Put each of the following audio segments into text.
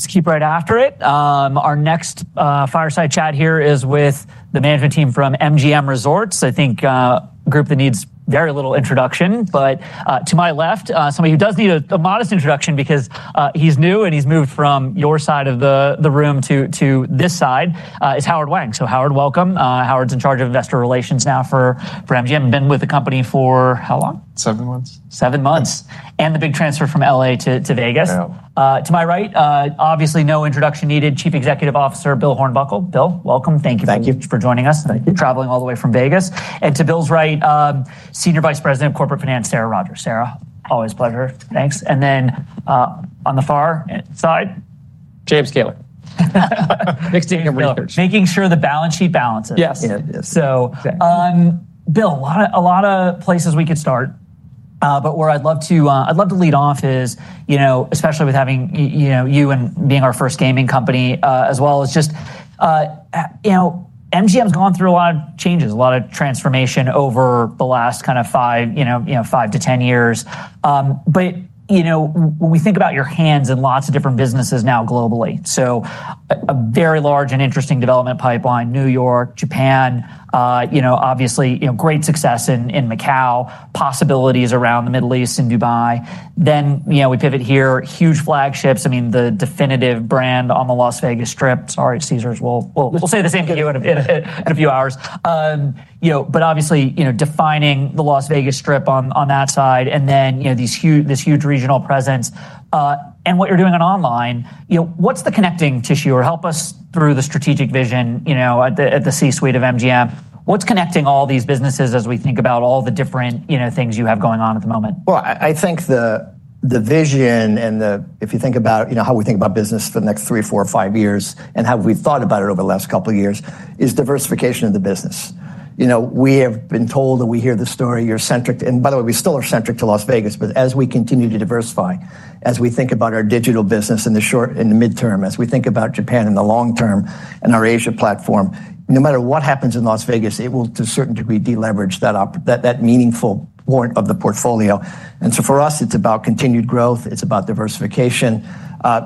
...Let's keep right after it. Our next fireside chat here is with the management team from MGM Resorts. I think a group that needs very little introduction, but to my left somebody who does need a modest introduction because he's new, and he's moved from your side of the room to this side is Howard Wang. So Howard, welcome. Howard's in charge of investor relations now for MGM, been with the company for how long? Seven months. Seven months, and the big transfer from LA to Vegas. Yeah. To my right, obviously, no introduction needed, Chief Executive Officer Bill Hornbuckle. Bill, welcome. Thank you. Thank you for joining us. Thank you... traveling all the way from Vegas, and to Bill's right, Senior Vice President of Corporate Finance, Sarah Rogers. Sarah, always a pleasure. Thanks. Thank you. On the far side, James Kayler Making sure the balance sheet balances. Yes. Yeah. Yes. Exactly. Bill, a lot of places we could start, but where I'd love to lead off is, you know, especially with having you know, you and being our first gaming company, as well as just, you know, MGM's gone through a lot of changes, a lot of transformation over the last kind of five to ten years. But, you know, when we think about your hands in lots of different businesses now globally, so a very large and interesting development pipeline: New York, Japan, you know, obviously, great success in Macau, possibilities around the Middle East and Dubai. Then, you know, we pivot here, huge flagships, I mean, the definitive brand on the Las Vegas Strip. Sorry, Caesars, we'll say the same thing to you in a few hours. You know, but obviously, you know, defining the Las Vegas Strip on that side, and then, you know, this huge regional presence, and what you're doing online, you know, what's the connecting tissue? Or help us through the strategic vision, you know, at the C-suite of MGM. What's connecting all these businesses as we think about all the different, you know, things you have going on at the moment? I think the vision, if you think about, you know, how we think about business for the next three or four or five years, and how we've thought about it over the last couple of years, is diversification of the business. You know, we have been told, and we hear the story, Vegas-centric, and by the way, we still are centric to Las Vegas, but as we continue to diversify, as we think about our digital business in the short and the midterm, as we think about Japan in the long term and our Asia platform, no matter what happens in Las Vegas, it will, to a certain degree, de-leverage that op, that meaningful part of the portfolio. So for us, it's about continued growth. It's about diversification.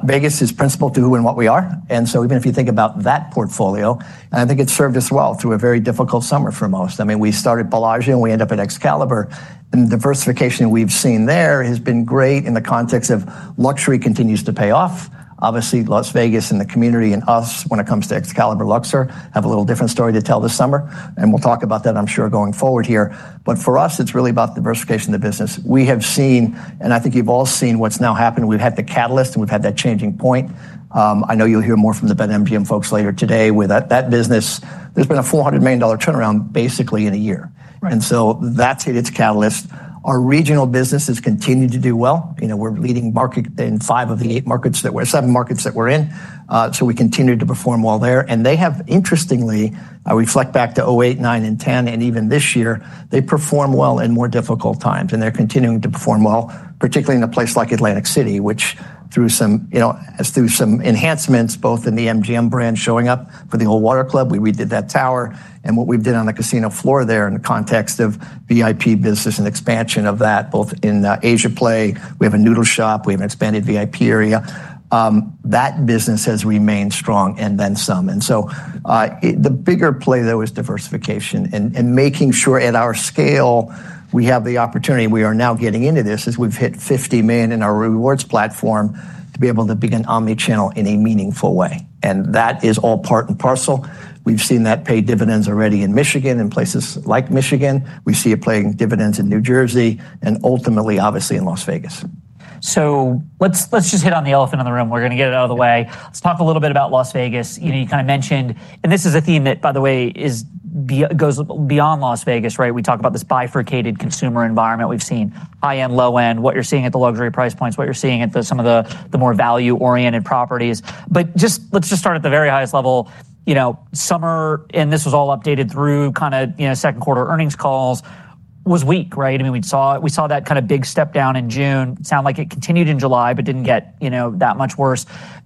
Vegas is principal to who and what we are, and so even if you think about that portfolio, and I think it's served us well through a very difficult summer for most. I mean, we started Bellagio, and we end up at Excalibur, and the diversification we've seen there has been great in the context of luxury continues to pay off. Obviously, Las Vegas and the community and us, when it comes to Excalibur, Luxor, have a little different story to tell this summer, and we'll talk about that, I'm sure, going forward here. But for us, it's really about diversification of the business. We have seen, and I think you've all seen, what's now happened. We've had the catalyst, and we've had that changing point. I know you'll hear more from the BetMGM folks later today. With that, that business, there's been a $400 million turnaround, basically in a year. Right. And so that's hit its catalyst. Our regional business has continued to do well. You know, we're leading market in five of the eight markets that we're—seven markets that we're in. So we continued to perform well there, and they have interestingly, I reflect back to 2008, 2009, and 2010, and even this year, they perform well in more difficult times, and they're continuing to perform well, particularly in a place like Atlantic City, which through some, you know, has through some enhancements, both in the MGM brand showing up for the old Water Club. We redid that tower, and what we've did on the casino floor there in the context of VIP business and expansion of that, both in, Asian play, we have a noodle shop, we have an expanded VIP area. That business has remained strong and then some. And so, the bigger play, though, is diversification and making sure at our scale, we have the opportunity. We are now getting into this, as we've hit 50 million in our rewards platform, to be able to be an omni-channel in a meaningful way. And that is all part and parcel. We've seen that pay dividends already in Michigan and places like Michigan. We see it paying dividends in New Jersey and ultimately, obviously, in Las Vegas. So let's just hit on the elephant in the room. We're going to get it out of the way. Let's talk a little bit about Las Vegas. You know, you kind of mentioned, and this is a theme that, by the way, goes beyond Las Vegas, right? We talk about this bifurcated consumer environment. We've seen high-end, low-end, what you're seeing at the luxury price points, what you're seeing at some of the more value-oriented properties. But just let's just start at the very highest level. You know, summer, and this was all updated through kind of, you know, second quarter earnings calls, was weak, right? I mean, we saw that kind of big step down in June. Sounds like it continued in July, but didn't get, you know, that much worse.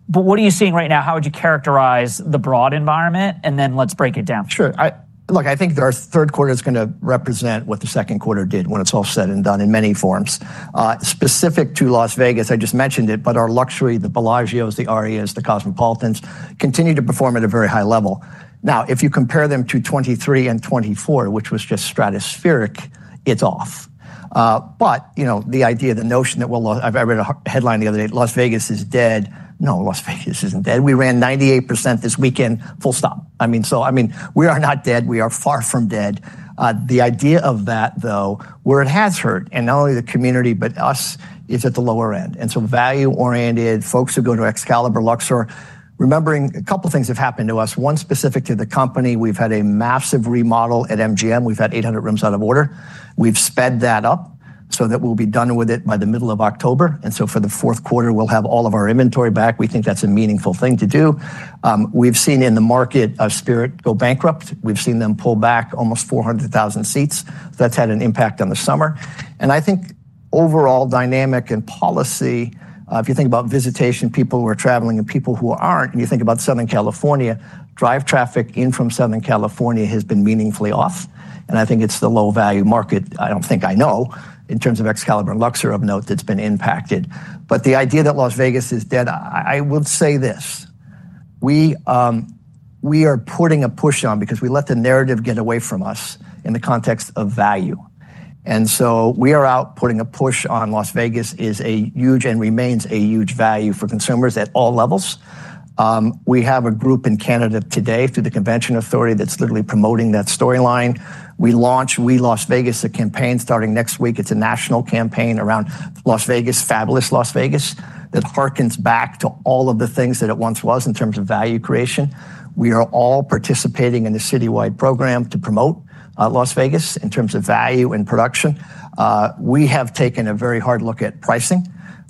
But what are you seeing right now? How would you characterize the broad environment? And then let's break it down. Sure. Look, I think our third quarter is going to represent what the second quarter did when it's all said and done in many forms. Specific to Las Vegas, I just mentioned it, but our luxury, the Bellagios, the Arias, the Cosmopolitans, continue to perform at a very high level. Now, if you compare them to 2023 and 2024, which was just stratospheric, it's off. But, you know, the idea, the notion that, well, I read a headline the other day, "Las Vegas is dead." No, Las Vegas isn't dead. We ran 98% this weekend, full stop. I mean, so, I mean, we are not dead. We are far from dead. The idea of that, though, where it has hurt, and not only the community, but us, is at the lower end. And so value-oriented, folks who go to Excalibur, Luxor... Remembering, a couple things have happened to us, one specific to the company. We've had a massive remodel at MGM. We've had 800 rooms out of order. We've sped that up so that we'll be done with it by the middle of October, and so for the fourth quarter, we'll have all of our inventory back. We think that's a meaningful thing to do. We've seen in the market of Spirit go bankrupt. We've seen them pull back almost 400,000 seats. That's had an impact on the summer. And I think overall dynamic and policy, if you think about visitation, people who are traveling and people who aren't, and you think about Southern California, drive traffic in from Southern California has been meaningfully off, and I think it's the low-value market. I don't think I know, in terms of Excalibur and Luxor, of note, that's been impacted. But the idea that Las Vegas is dead. I would say we are putting a push on because we let the narrative get away from us in the context of value. And so we are out putting a push on Las Vegas is a huge and remains a huge value for consumers at all levels. We have a group in Canada today, through the convention authority, that's literally promoting that storyline. We launch Oui Las Vegas, a campaign starting next week. It's a national campaign around Las Vegas, fabulous Las Vegas, that harkens back to all of the things that at once was in terms of value creation. We are all participating in a citywide program to promote Las Vegas in terms of value and production. We have taken a very hard look at pricing,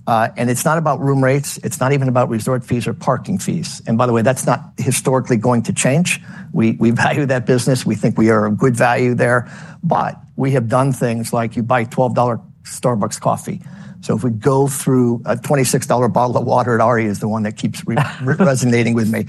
and it's not about room rates, it's not even about resort fees or parking fees, and by the way, that's not historically going to change. We value that business. We think we are a good value there, but we have done things like you buy $12 Starbucks coffee. So if we go through a $26 bottle of water at Aria is the one that keeps resonating with me.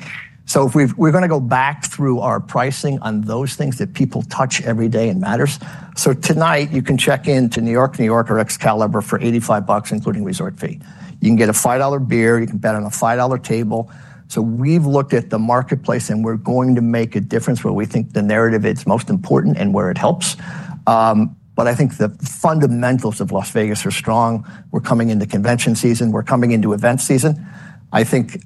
So we're going to go back through our pricing on those things that people touch every day and matters. So tonight, you can check into New York-New York or Excalibur for $85, including resort fee. You can get a $5 beer, you can bet on a $5 table. So we've looked at the marketplace, and we're going to make a difference where we think the narrative, it's most important and where it helps. But I think the fundamentals of Las Vegas are strong. We're coming into convention season, we're coming into event season, I think,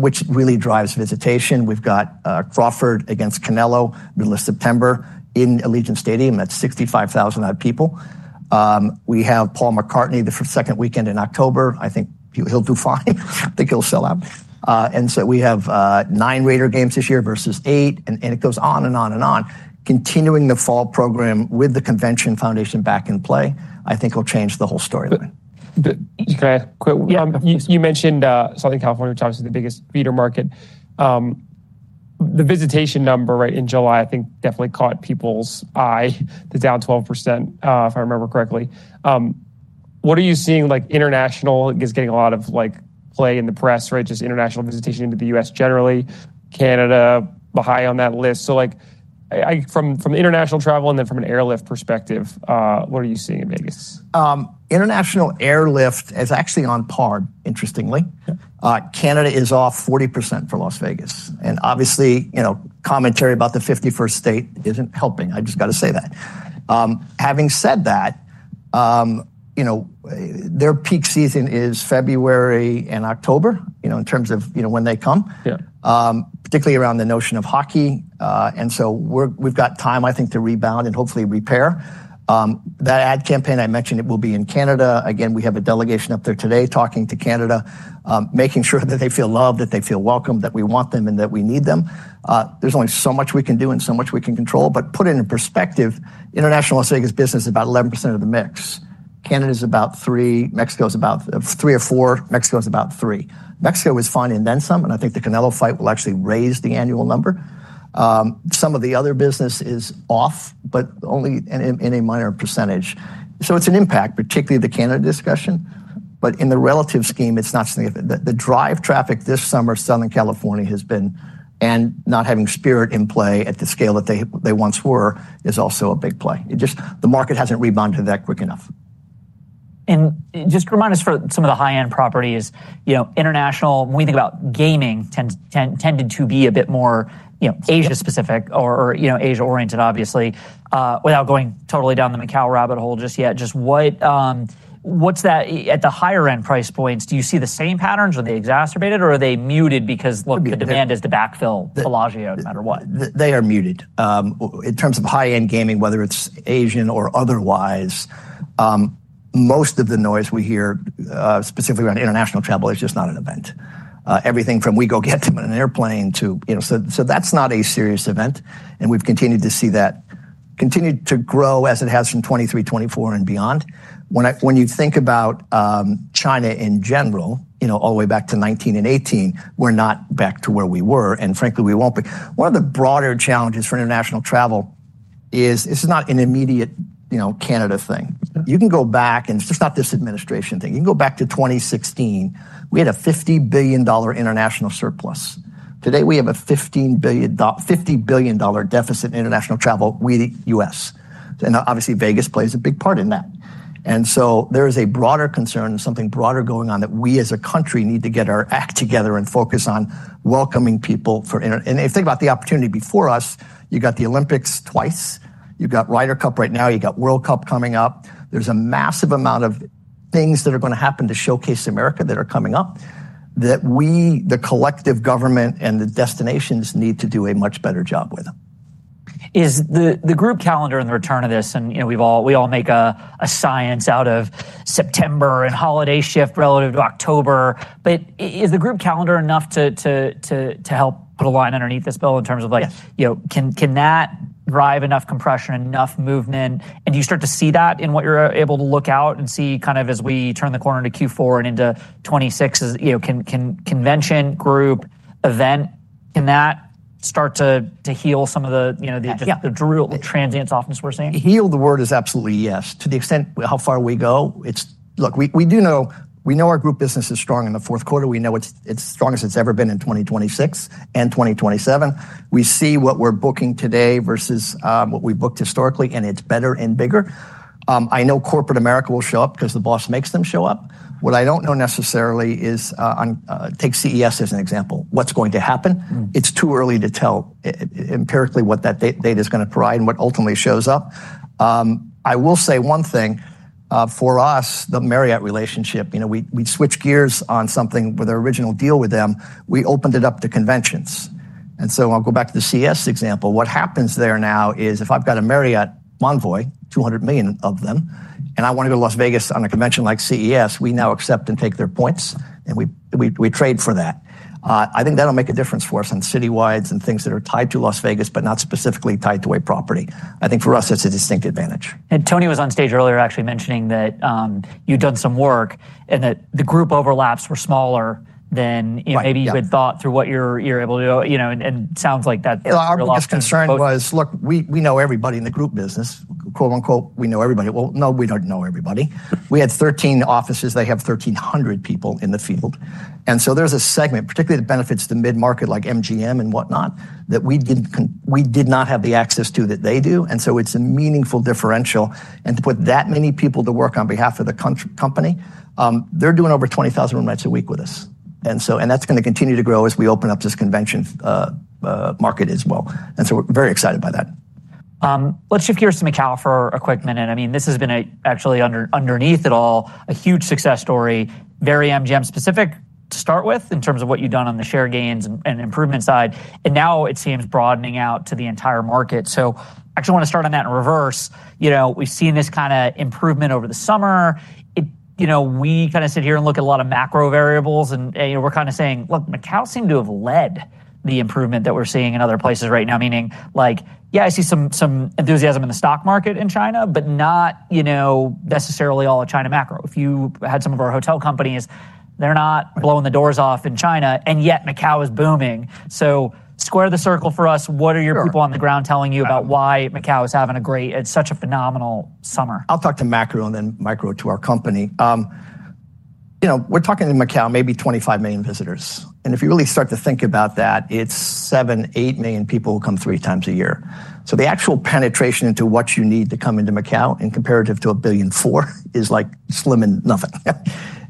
which really drives visitation. We've got Crawford against Canelo Álvarez, middle of September in Allegiant Stadium. That's 65,000 people. We have Paul McCartney, the second weekend in October. I think he'll do fine. I think he'll sell out. And so we have nine Raiders games this year versus eight, and it goes on and on and on. Continuing the fall program with the convention foundation back in play, I think will change the whole storyline. But can I quick- Yeah. You mentioned Southern California, which obviously the biggest feeder market. The visitation number, right, in July, I think definitely caught people's eye, was down 12%, if I remember correctly. What are you seeing, like international is getting a lot of like play in the press, right? Just international visitation into the U.S., generally, Canada behind on that list. So like from international travel and then from an airlift perspective, what are you seeing in Vegas? International airlift is actually on par, interestingly. Yeah. Canada is off 40% for Las Vegas, and obviously, you know, commentary about the 51st state isn't helping. I just got to say that. Having said that, you know, their peak season is February and October, you know, in terms of, you know, when they come- Yeah... particularly around the notion of hockey. And so we've got time, I think, to rebound and hopefully repair. That ad campaign I mentioned, it will be in Canada. Again, we have a delegation up there today talking to Canada, making sure that they feel loved, that they feel welcome, that we want them, and that we need them. There's only so much we can do and so much we can control, but put it in perspective, international Las Vegas business is about 11% of the mix. Canada is about 3, Mexico is about three or four. Mexico is about 3. Mexico is fine, and then some, and I think the Canelo fight will actually raise the annual number. Some of the other business is off, but only in a minor percentage. So it's an impact, particularly the Canada discussion, but in the relative scheme, it's not something that the drive traffic this summer, Southern California has been, and not having Spirit in play at the scale that they once were, is also a big play. It just the market hasn't rebounded that quick enough. And just remind us for some of the high-end properties, you know, international, when we think about gaming, tended to be a bit more, you know, Asia-specific or, you know, Asia-oriented, obviously. Without going totally down the Macau rabbit hole just yet, just what, what's that at the higher end price points, do you see the same patterns? Are they exacerbated, or are they muted because- Maybe the-... look, the demand is to backfill Bellagio, no matter what. They are muted. In terms of high-end gaming, whether it's Asian or otherwise, most of the noise we hear, specifically around international travel, is just not an event. Everything from we go get them in an airplane to, you know... So that's not a serious event, and we've continued to see that continue to grow as it has from 2023, 2024, and beyond. When you think about China in general, you know, all the way back to 2019 and 2018, we're not back to where we were, and frankly, we won't be. One of the broader challenges for international travel is, this is not an immediate, you know, Canada thing. Mm. You can go back, and it's not this administration thing. You can go back to 2016. We had a $50 billion international surplus. Today, we have a $50 billion deficit in international travel, we, the U.S., and obviously, Vegas plays a big part in that. So there is a broader concern and something broader going on, that we as a country need to get our act together and focus on welcoming people for in. If you think about the opportunity before us, you got the Olympics twice, you got Ryder Cup right now, you got World Cup coming up. There's a massive amount of things that are going to happen to showcase America that are coming up, that we, the collective government and the destinations, need to do a much better job with. Is the group calendar and the return of this, and you know, we all make a science out of September and holiday shift relative to October, but is the group calendar enough to help put a line underneath this bill in terms of like- Yes... you know, can that drive enough compression, enough movement? And do you start to see that in what you're able to look out and see kind of as we turn the corner into Q4 and into 2026, as you know, can convention, group, event can that start to heal some of the, you know, the- Yeah... the drill, the transients often as we're seeing? Hell, the word is absolutely yes. To the extent, how far we go, it's... Look, we, we do know, we know our group business is strong in the fourth quarter. We know it's, it's strong as it's ever been in 2026... and 2027, we see what we're booking today versus what we've booked historically, and it's better and bigger. I know corporate America will show up 'cause the boss makes them show up. What I don't know necessarily is, on, take CES as an example, what's going to happen? Mm. It's too early to tell empirically what that data is gonna provide and what ultimately shows up. I will say one thing, for us, the Marriott relationship, you know, we switched gears on something with our original deal with them. We opened it up to conventions, and so I'll go back to the CES example. What happens there now is if I've got a Marriott Bonvoy, 200 million of them, and I wanna go to Las Vegas on a convention like CES, we now accept and take their points, and we trade for that. I think that'll make a difference for us in citywides and things that are tied to Las Vegas, but not specifically tied to a property. I think for us, that's a distinct advantage. And Tony was on stage earlier actually mentioning that, you've done some work and that the group overlaps were smaller than- Right, yeah. Maybe you had thought through what you're able to do, you know, and sounds like that. Our biggest concern was, look, we know everybody in the group business, quote, unquote, "We know everybody." No, we don't know everybody. We had 13 offices. They have 1,300 people in the field, and so there's a segment, particularly that benefits the mid-market, like MGM and whatnot, that we did not have the access to that they do, and so it's a meaningful differential. To put that many people to work on behalf of the company, they're doing over 20,000 room nights a week with us, and so that's gonna continue to grow as we open up this convention market as well, and so we're very excited by that. Let's shift gears to Macau for a quick minute. I mean, this has been a, actually, underneath it all, a huge success story. Very MGM-specific to start with, in terms of what you've done on the share gains and improvement side, and now it seems broadening out to the entire market. So I actually want to start on that in reverse. You know, we've seen this kind of improvement over the summer. It, you know, we kind of sit here and look at a lot of macro variables, and we're kind of saying, "Look, Macau seemed to have led the improvement that we're seeing in other places right now." Meaning like, yeah, I see some enthusiasm in the stock market in China, but not, you know, necessarily all of China macro. If you had some of our hotel companies, they're not- Right blowing the doors off in China, and yet Macau is booming. So square the circle for us. Sure. What are your people on the ground telling you about why Macau is having a great, it's such a phenomenal summer? I'll talk to macro and then micro to our company. You know, we're talking in Macau, maybe 25 million visitors, and if you really start to think about that, it's 7, 8 million people who come three times a year. So the actual penetration into what you need to come into Macau in comparative to a billion four is, like, slim and nothing.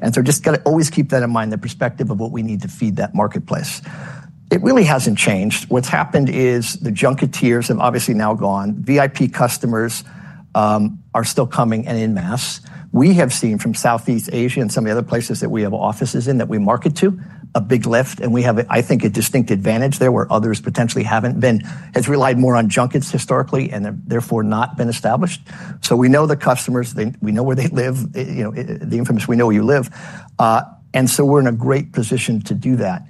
And so you just gotta always keep that in mind, the perspective of what we need to feed that marketplace. It really hasn't changed. What's happened is the junketeers have obviously now gone. VIP customers are still coming and en masse. We have seen from Southeast Asia and some of the other places that we have offices in, that we market to, a big lift, and we have, I think, a distinct advantage there, where others potentially haven't been, has relied more on junkets historically and have therefore not been established. So we know the customers. We know where they live, you know, the infamous, "We know where you live." And so we're in a great position to do that.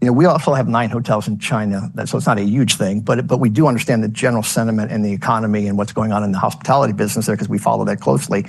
You know, we also have nine hotels in China. So it's not a huge thing, but we do understand the general sentiment and the economy and what's going on in the hospitality business there 'cause we follow that closely.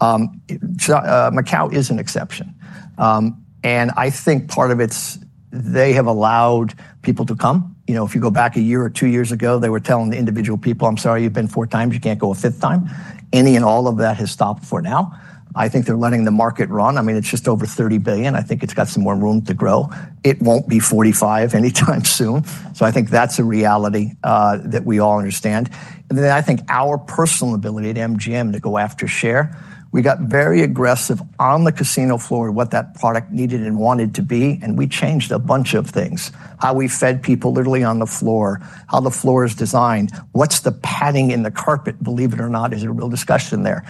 Macau is an exception. And I think part of it's, they have allowed people to come. You know, if you go back a year or two years ago, they were telling the individual people, "I'm sorry, you've been four times, you can't go a fifth time." Any and all of that has stopped for now. I think they're letting the market run. I mean, it's just over $30 billion. I think it's got some more room to grow. It won't be $45 billion anytime soon. So I think that's a reality that we all understand. And then I think our personal ability at MGM to go after share, we got very aggressive on the casino floor, what that product needed and wanted to be, and we changed a bunch of things. How we fed people literally on the floor, how the floor is designed, what's the padding in the carpet, believe it or not, is a real discussion there.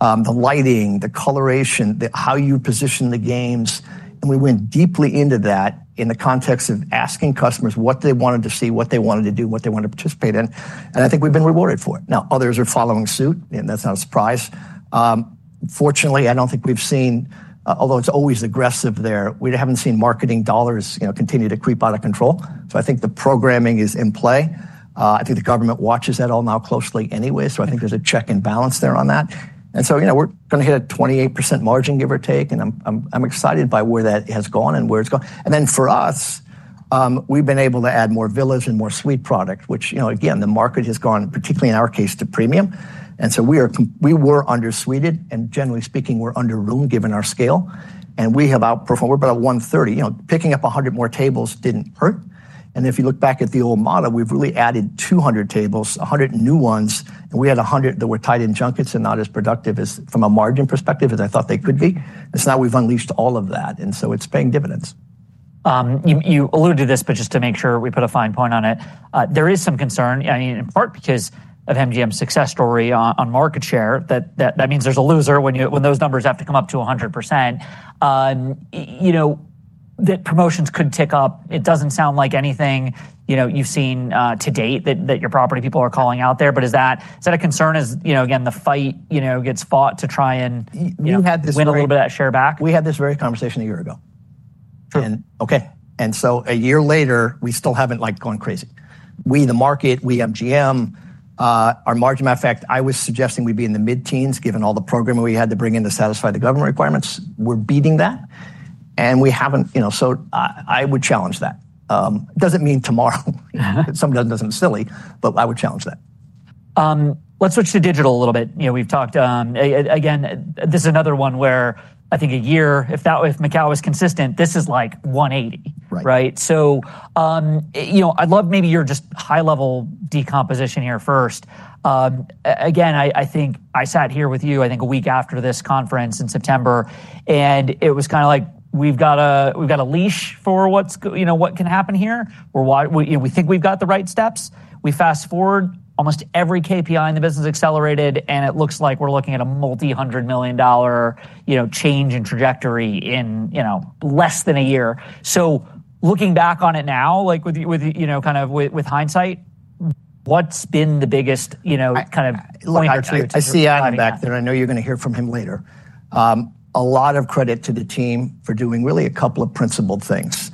The lighting, the coloration, the how you position the games, and we went deeply into that in the context of asking customers what they wanted to see, what they wanted to do, what they wanted to participate in, and I think we've been rewarded for it. Now, others are following suit, and that's not a surprise. Fortunately, I don't think we've seen, although it's always aggressive there, we haven't seen marketing dollars, you know, continue to creep out of control. So I think the programming is in play. I think the government watches that all now closely anyway, so I think there's a check and balance there on that. And so, you know, we're gonna hit a 28% margin, give or take, and I'm excited by where that has gone and where it's going. Then for us, we've been able to add more village and more suite product, which, you know, again, the market has gone, particularly in our case, to premium, and so we were under-suited, and generally speaking, we're under room given our scale, and we have outperformed. We're about $130. You know, picking up 100 more tables didn't hurt, and if you look back at the old model, we've really added 200 tables, 100 new ones, and we had 100 that were tied in junkets and not as productive as, from a margin perspective, as I thought they could be. And so now we've unleashed all of that, and so it's paying dividends. You alluded to this, but just to make sure we put a fine point on it, there is some concern, I mean, in part because of MGM's success story on market share, that means there's a loser when those numbers have to come up to 100%. You know, that promotions could tick up. It doesn't sound like anything, you know, you've seen to date, that your property people are calling out there, but is that a concern as, you know, again, the fight, you know, gets fought to try and, you know- We had this very- win a little bit of that share back? We had this very conversation a year ago. Sure. Okay, and so a year later, we still haven't like gone crazy. We, the market, we, MGM, our margin, matter of fact, I was suggesting we'd be in the mid-teens, given all the programming we had to bring in to satisfy the government requirements. We're beating that, and we haven't, you know. So I, I would challenge that. Doesn't mean tomorrow. Uh-huh. Sometimes it doesn't, silly, but I would challenge that.... Let's switch to digital a little bit. You know, we've talked again. This is another one where I think a year, if that, if Macau was consistent, this is like one eighty. Right. Right? So, you know, I'd love maybe your just high-level decomposition here first. Again, I think I sat here with you, I think a week after this conference in September, and it was kind of like, we've got a leash for what you know, what can happen here, or why we think we've got the right steps. We fast-forward, almost every KPI in the business accelerated, and it looks like we're looking at a multi-hundred million dollar, you know, change in trajectory in, you know, less than a year. So looking back on it now, like with you know, kind of with hindsight, what's been the biggest, you know, kind of point or two- I see Adam back there, and I know you're going to hear from him later. A lot of credit to the team for doing really a couple of principled things.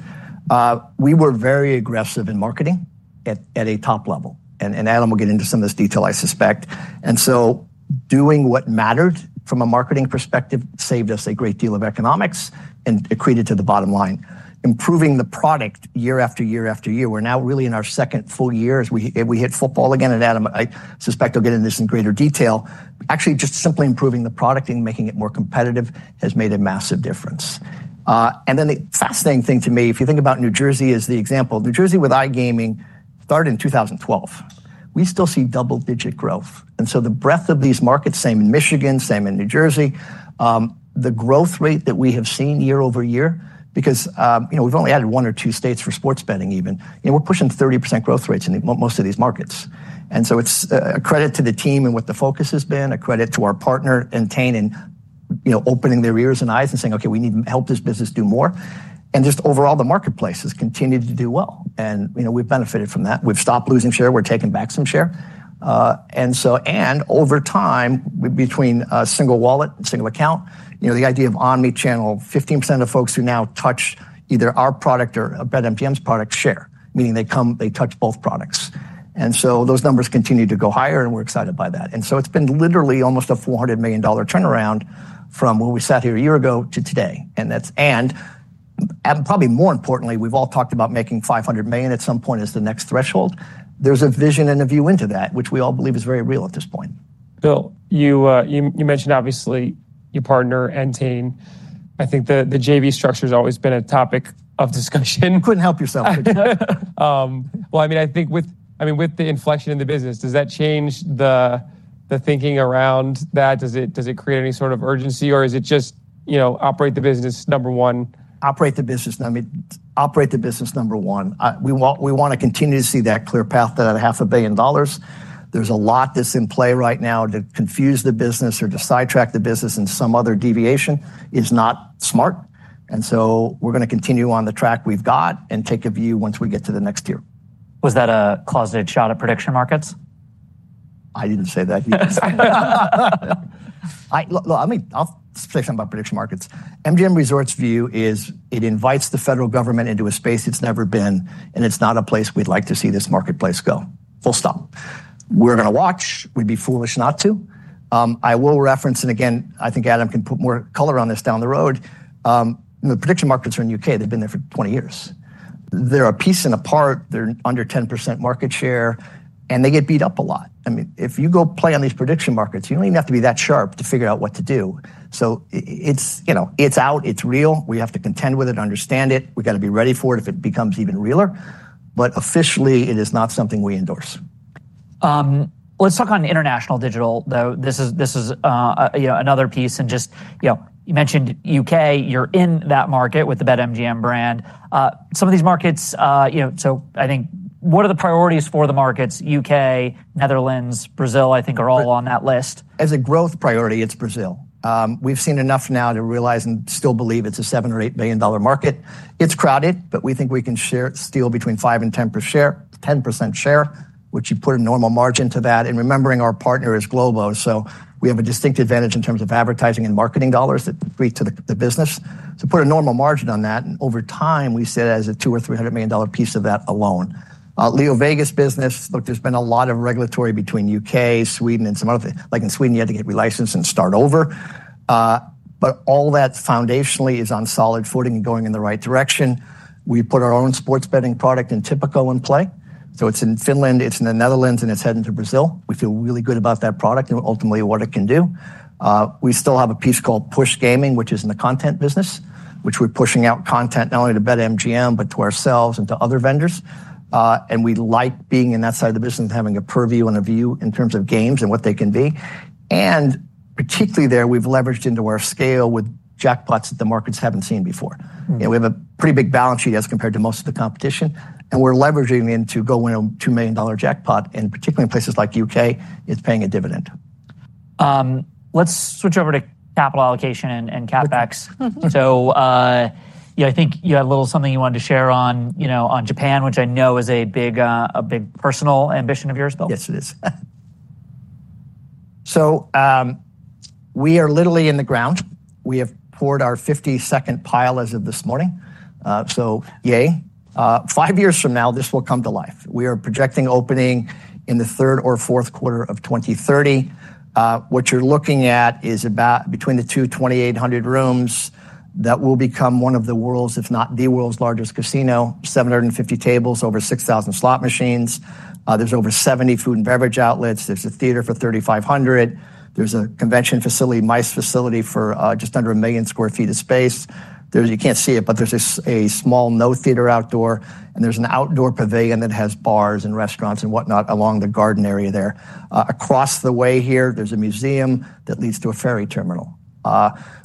We were very aggressive in marketing at a top level, and Adam will get into some of this detail, I suspect, and so doing what mattered from a marketing perspective saved us a great deal of economics and accreted to the bottom line. Improving the product year after year after year, we're now really in our second full year as we hit football again, and Adam, I suspect we'll get into this in greater detail, actually, just simply improving the product and making it more competitive has made a massive difference, and then the fascinating thing to me, if you think about New Jersey as the example, New Jersey with iGaming started in 2012. We still see double-digit growth, and so the breadth of these markets, same in Michigan, same in New Jersey, the growth rate that we have seen year-over-year, because, you know, we've only added one or two states for sports betting even, and we're pushing 30% growth rates in most of these markets. And so it's a credit to the team and what the focus has been, a credit to our partner, Entain, and, you know, opening their ears and eyes and saying, "Okay, we need to help this business do more." And just overall, the marketplace has continued to do well, and, you know, we've benefited from that. We've stopped losing share, we're taking back some share. And so, and over time, between single wallet and single account, you know, the idea of omni-channel, 15% of folks who now touch either our product or a BetMGM's product share, meaning they come, they touch both products. And so those numbers continue to go higher, and we're excited by that. And so it's been literally almost a $400 million turnaround from when we sat here a year ago to today, and that's, and probably more importantly, we've all talked about making $500 million at some point as the next threshold. There's a vision and a view into that, which we all believe is very real at this point. Bill, you mentioned obviously your partner, Entain. I think the JV structure has always been a topic of discussion. You couldn't help yourself, could you? Well, I mean, I think with the inflection in the business, does that change the thinking around that? Does it create any sort of urgency, or is it just, you know, operate the business, number one? Operate the business. I mean, operate the business, number one. We want, we want to continue to see that clear path to that $500 million. There's a lot that's in play right now to confuse the business or to sidetrack the business, and some other deviation is not smart, and so we're going to continue on the track we've got and take a view once we get to the next year. Was that a closeted shot at prediction markets? I didn't say that you did. I mean, I'll say something about prediction markets. MGM Resorts' view is it invites the federal government into a space it's never been, and it's not a place we'd like to see this marketplace go. Full stop. We're going to watch. We'd be foolish not to. I will reference, and again, I think Adam can put more color on this down the road, the prediction markets are in U.K., they've been there for twenty years. They're a piece and a part, they're under 10% market share, and they get beat up a lot. I mean, if you go play on these prediction markets, you don't even have to be that sharp to figure out what to do. So it's, you know, it's out, it's real. We have to contend with it, understand it. We've got to be ready for it if it becomes even realer, but officially, it is not something we endorse. Let's talk on international digital, though. This is, you know, another piece and just, you know, you mentioned U.K., you're in that market with the BetMGM brand. Some of these markets, you know, so I think what are the priorities for the markets? U.K., Netherlands, Brazil, I think are all on that list. As a growth priority, it's Brazil. We've seen enough now to realize and still believe it's a $7 billion-$8 billion market. It's crowded, but we think we can share, steal between 5-10% share, which you put a normal margin to that, and remembering our partner is Globo, so we have a distinct advantage in terms of advertising and marketing dollars that bring to the business. To put a normal margin on that, and over time, we see it as a $200 million-$300 million piece of that alone. LeoVegas business, look, there's been a lot of regulatory between U.K., Sweden, and some other things. Like in Sweden, you had to get relicensed and start over. But all that foundationally is on solid footing and going in the right direction. We put our own sports betting product in Tipico in play, so it's in Finland, it's in the Netherlands, and it's heading to Brazil. We feel really good about that product and ultimately what it can do. We still have a piece called Push Gaming, which is in the content business, which we're pushing out content not only to BetMGM, but to ourselves and to other vendors, and we like being in that side of the business and having a purview and a view in terms of games and what they can be, and particularly there, we've leveraged into our scale with jackpots that the markets haven't seen before. Mm-hmm. You know, we have a pretty big balance sheet as compared to most of the competition, and we're leveraging in to go win a $2 million jackpot, and particularly in places like the U.K., it's paying a dividend. Let's switch over to capital allocation and CapEx. Mm-hmm. So, yeah, I think you had a little something you wanted to share on, you know, on Japan, which I know is a big personal ambition of yours, Bill. Yes, it is. We are literally in the ground. We have poured our fifty-second pile as of this morning, so yay! Five years from now, this will come to life. We are projecting opening in the third or fourth quarter of 2030. What you're looking at is about 2,800 rooms. That will become one of the world's, if not the world's, largest casino, 750 tables, over 6,000 slot machines. There's over 70 food and beverage outlets. There's a theater for 3,500. There's a convention facility, MICE facility for just under 1 million sq. ft. of space. You can't see it, but there's a small outdoor theater, and there's an outdoor pavilion that has bars and restaurants and whatnot along the garden area there. Across the way here, there's a museum that leads to a ferry terminal.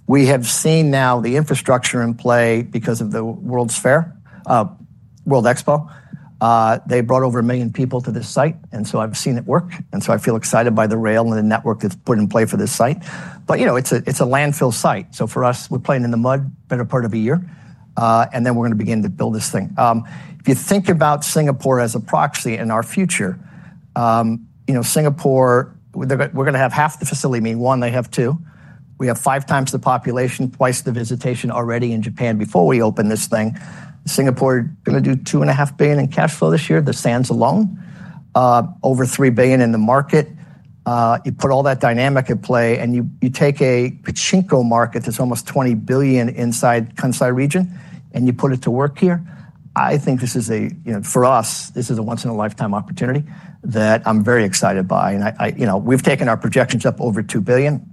We have seen now the infrastructure in play because of the World's Fair, World Expo. They brought over a million people to this site, and so I've seen it work, and so I feel excited by the rail and the network that's put in play for this site. But, you know, it's a landfill site. So for us, we're playing in the mud better part of a year, and then we're going to begin to build this thing. If you think about Singapore as a proxy in our future, you know, Singapore, we're gonna have half the facility, meaning one, they have two. We have five times the population, twice the visitation already in Japan before we open this thing. Singapore are gonna do $2.5 billion in cash flow this year, the Sands alone, over $3 billion in the market. You put all that dynamic at play, and you, you take a pachinko market that's almost $20 billion inside Kansai region, and you put it to work here. I think this is a, you know, for us, this is a once-in-a-lifetime opportunity that I'm very excited by, and I, I. You know, we've taken our projections up over $2 billion,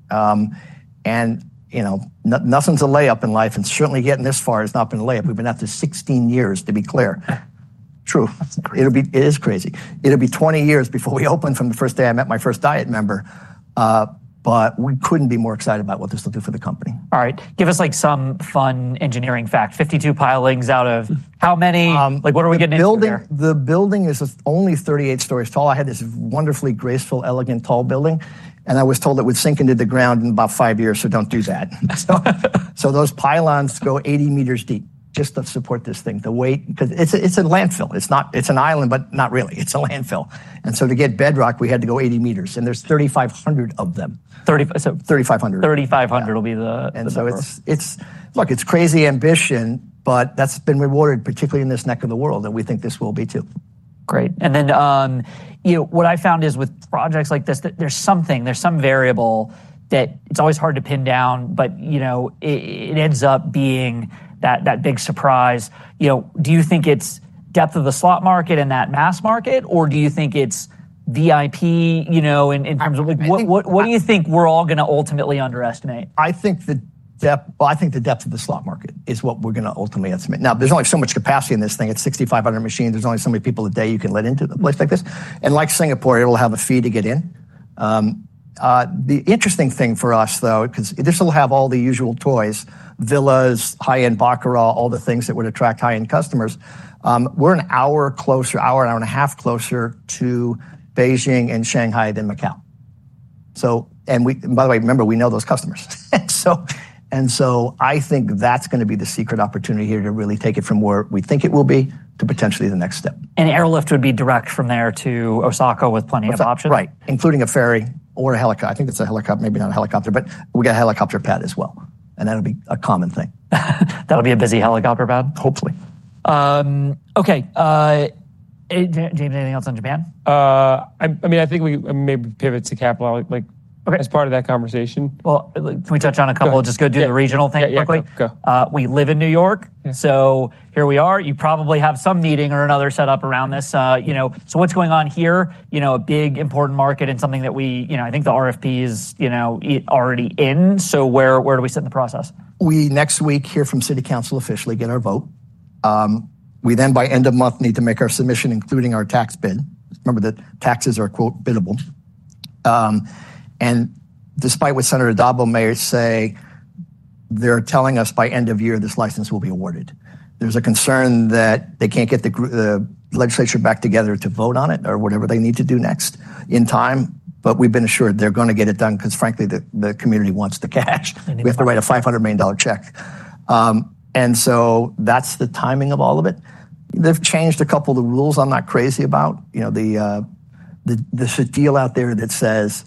and you know, nothing's a layup in life, and certainly getting this far has not been a layup. We've been at this 16 years, to be clear. True. That's crazy. It'll be, it is crazy. It'll be 20 years before we open from the first day I met my first Diet member, but we couldn't be more excited about what this will do for the company. All right. Give us, like, some fun engineering fact. Fifty-two pilings out of how many? Um- Like, what are we getting into here? The building, the building is only 38 stories tall. I had this wonderfully graceful, elegant, tall building, and I was told it would sink into the ground in about five years, so don't do that. So those pylons go 80m deep just to support this thing, the weight, because it's a landfill. It's not. It's an island, but not really. It's a landfill. So to get bedrock, we had to go 80m, and there's 3,500 of them. Thirty-five, so- Thirty-five hundred. 3,500 will be the- And so it's. Look, it's crazy ambition, but that's been rewarded, particularly in this neck of the world, that we think this will be too. Great. And then, you know, what I found is with projects like this, that there's something, there's some variable that it's always hard to pin down, but, you know, it ends up being that big surprise. You know, do you think it's depth of the slot market and that mass market, or do you think it's VIP, you know, in terms of- I think- What do you think we're all gonna ultimately underestimate? I think the depth of the slot market is what we're gonna ultimately underestimate. Now, there's only so much capacity in this thing. It's 6,500 machines. There's only so many people a day you can let into a place like this. And like Singapore, it will have a fee to get in. The interesting thing for us, though, 'cause this will have all the usual toys, villas, high-end baccarat, all the things that would attract high-end customers. We're an hour closer, an hour and a half closer to Beijing and Shanghai than Macau. By the way, remember, we know those customers so, and so I think that's gonna be the secret opportunity here to really take it from where we think it will be to potentially the next step. Airlift would be direct from there to Osaka with plenty of options? Right, including a ferry or a helicop-- I think it's a helicopter, maybe not a helicopter, but we got a helicopter pad as well, and that'll be a common thing. That'll be a busy helicopter pad. Hopefully. Okay, James, anything else on Japan? I mean, I think we maybe pivot to capital, like- Okay ... as part of that conversation. Can we touch on a couple? Go. Just go do the regional thing quickly. Yeah, yeah. Go. We live in New York. Yeah. So here we are. You probably have some meeting or another set up around this, you know, so what's going on here? You know, a big important market and something that we, you know, I think the RFP is, you know, it's already in, so where, where do we sit in the process? We next week hear from city council, officially get our vote. We then, by end of month, need to make our submission, including our tax bid. Remember that taxes are, quote, "biddable," and despite what Senator Addabbo may say, they're telling us by end of year, this license will be awarded. There's a concern that they can't get the legislature back together to vote on it or whatever they need to do next in time, but we've been assured they're gonna get it done because, frankly, the community wants the cash. And- We have to write a $500 million check, and so that's the timing of all of it. They've changed a couple of the rules I'm not crazy about, you know, there's a deal out there that says,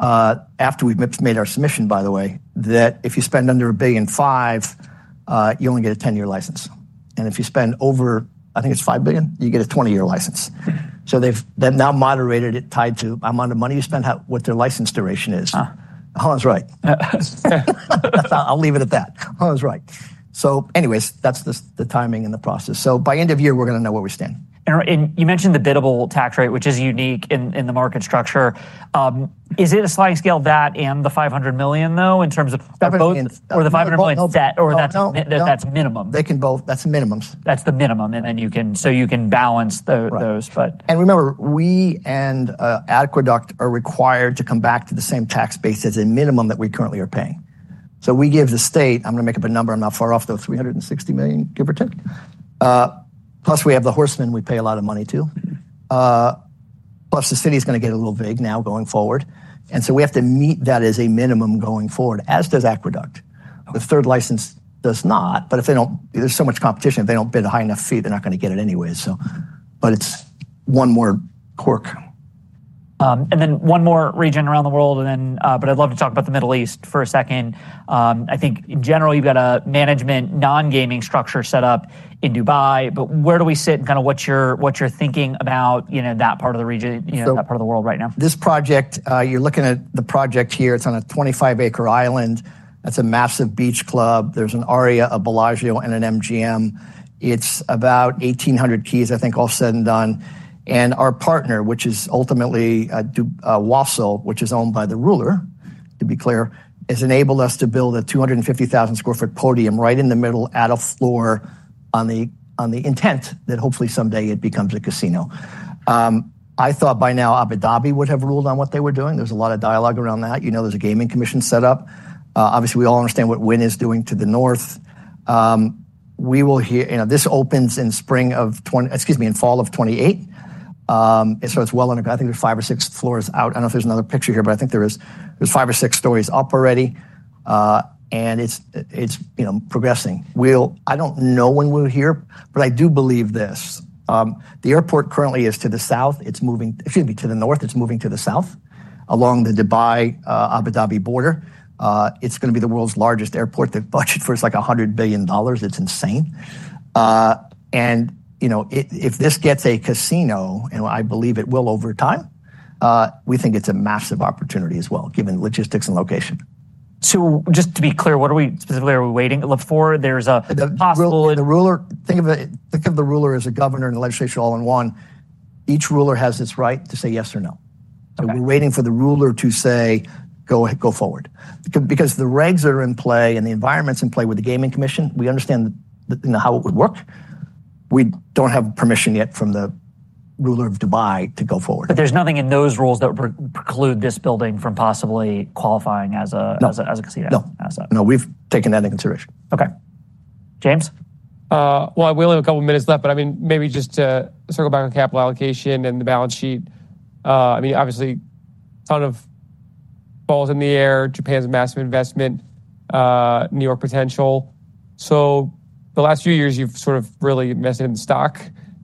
after we've made our submission, by the way, that if you spend under $1.5 billion, you only get a 10-year license, and if you spend over, I think it's $5 billion, you get a 20-year license. So they've then now moderated it, tied to the amount of money you spend, how, what their license duration is. Ah. Huh is right. I'll leave it at that. So anyways, that's the timing and the process. So by end of year, we're gonna know where we stand. You mentioned the biddable tax rate, which is unique in the market structure. Is it a sliding scale, that and the $500 million, though, in terms of- Seven million... both or the $500 million- No- -or that's- No... that's minimum? They can both... That's the minimum. That's the minimum, and then you can balance tho- Right... those, but- Remember, we and Aqueduct are required to come back to the same tax base as a minimum that we currently are paying. So we give the state, I'm gonna make up a number, I'm not far off, though, $360 million, give or take. Plus we have the horsemen we pay a lot of money to. Mm-hmm. Plus, the city is gonna get a little vague now going forward, and so we have to meet that as a minimum going forward, as does Aqueduct. Okay. The third license does not, but if they don't, there's so much competition. If they don't bid a high enough fee, they're not gonna get it anyways, so... But it's one more quirk. ...and then one more region around the world, and then, but I'd love to talk about the Middle East for a second. I think in general, you've got a management, non-gaming structure set up in Dubai, but where do we sit and kind of what's your, what's your thinking about, you know, that part of the region, you know, that part of the world right now? This project, you're looking at the project here. It's on a 25-acre island. That's a massive beach club. There's an Aria, a Bellagio, and an MGM. It's about 1,800 keys, I think, all said and done. And our partner, which is ultimately Wasl, which is owned by the ruler, to be clear, has enabled us to build a 250,000 sq. ft. podium right in the middle, at a floor, on the intent that hopefully someday it becomes a casino. I thought by now Abu Dhabi would have ruled on what they were doing. There was a lot of dialogue around that. You know, there's a gaming commission set up. Obviously, we all understand what Wynn is doing to the north. We will hear, you know, this opens in spring of twenty, excuse me, in fall of 2028. So it's well under. I think there's five or six floors out. I don't know if there's another picture here, but I think there is. There's five or six stories up already, and it's progressing. We'll. I don't know when we'll hear, but I do believe this. The airport currently is to the south. It's moving, excuse me, to the north. It's moving to the south, along the Dubai-Abu Dhabi border. It's going to be the world's largest airport. They've budgeted for it. It's like $100 billion. It's insane. And, you know, if this gets a casino, and I believe it will over time, we think it's a massive opportunity as well, given the logistics and location. So just to be clear, what specifically are we waiting for? There's a possible- The ruler, think of the ruler as a governor and a legislature all in one. Each ruler has his right to say yes or no. Okay. So we're waiting for the ruler to say, "Go ahead, go forward." Because the regs are in play and the environment's in play with the gaming commission, we understand the, you know, how it would work. We don't have permission yet from the ruler of Dubai to go forward. But there's nothing in those rules that would preclude this building from possibly qualifying as a- No... as a casino- No -as a... No, we've taken that into consideration. Okay. James? Well, we only have a couple of minutes left, but I mean, maybe just to circle back on capital allocation and the balance sheet. I mean, obviously, ton of balls in the air, Japan's a massive investment, New York potential. So the last few years, you've sort of really invested in stock.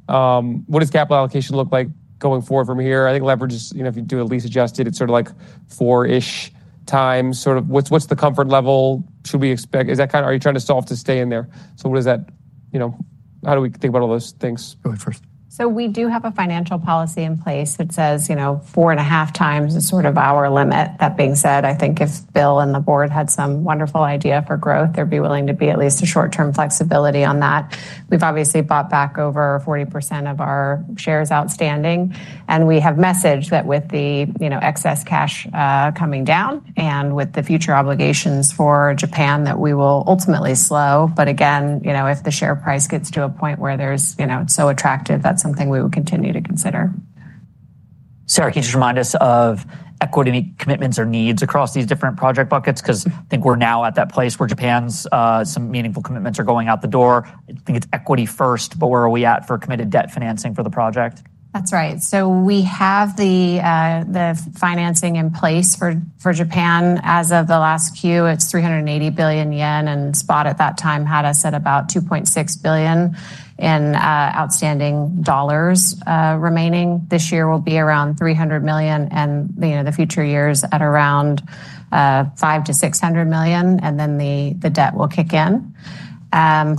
What does capital allocation look like going forward from here? I think leverage is, you know, if you do it lease-adjusted, it's sort of like four-ish times. Sort of what's the comfort level should we expect? Is that kind of, are you trying to solve to stay in there? So what does that, you know, how do we think about all those things? Go ahead first. So we do have a financial policy in place that says, you know, four and a half times is sort of our limit. That being said, I think if Bill and the board had some wonderful idea for growth, they'd be willing to be at least a short-term flexibility on that. We've obviously bought back over 40% of our shares outstanding, and we have messaged that with the, you know, excess cash coming down and with the future obligations for Japan, that we will ultimately slow. But again, you know, if the share price gets to a point where there's, you know, it's so attractive, that's something we would continue to consider. Sarah, can you just remind us of equity commitments or needs across these different project buckets? 'Cause I think we're now at that place where Japan's some meaningful commitments are going out the door. I think it's equity first, but where are we at for committed debt financing for the project? That's right. So we have the financing in place for Japan. As of the last Q, it's 380 billion yen, and spot at that time had us at about $2.6 billion in outstanding dollars remaining. This year will be around $300 million and, you know, the future years at around $500 million-$600 million, and then the debt will kick in.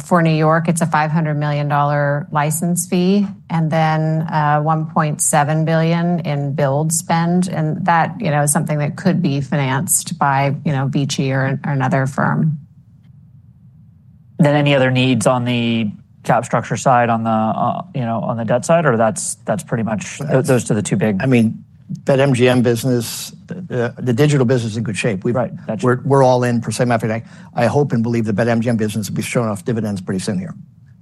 For New York, it's a $500 million license fee, and then $1.7 billion in build spend, and that, you know, is something that could be financed by, you know, MGM or another firm. Then any other needs on the cap structure side, on the, you know, on the debt side, or that's, that's pretty much those are the two big- I mean, Bet MGM business, the digital business is in good shape. Right. We're all in for same everything. I hope and believe the BetMGM business will be showing off dividends pretty soon here.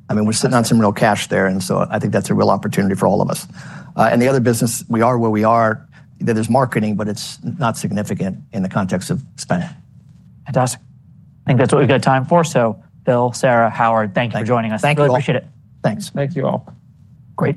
I mean, we're sitting on some real cash there, and so I think that's a real opportunity for all of us. And the other business, we are where we are. There is marketing, but it's not significant in the context of spend. Fantastic. I think that's what we've got time for. So Bill, Sarah, Howard, thank you for joining us. Thank you. We appreciate it. Thanks. Thank you all. Great.